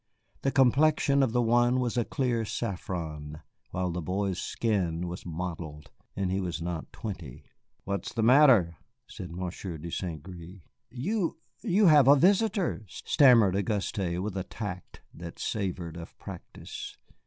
The complexion of the one was a clear saffron, while the boy's skin was mottled, and he was not twenty. "What is the matter?" said Monsieur de St. Gré. "You you have a visitor!" stammered Auguste, with a tact that savored of practice.